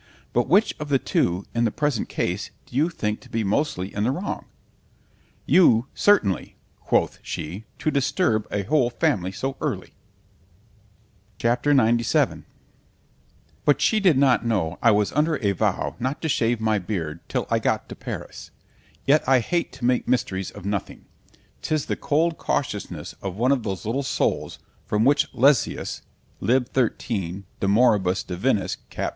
—— ——But which of the two, in the present case, do you think to be mostly in the wrong? You, certainly: quoth she, to disturb a whole family so early. C H A P. XCVII ——But she did not know I was under a vow not to shave my beard till I got to Paris;——yet I hate to make mysteries of nothing;——'tis the cold cautiousness of one of those little souls from which _Lessius (lib. 13. de moribus divinis, cap.